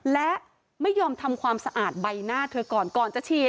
และไม่ยอมทำความสะอาดใบหน้าเธอก่อนก่อนจะฉีด